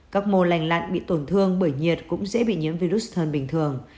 các mô lành lặn bị tổn thương bởi nhiệt cũng dễ bị nhiễm virus hơn bình thường